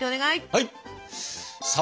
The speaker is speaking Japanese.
はい！